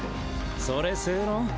それ正論？